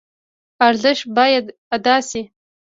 ارزش باید ادا شي.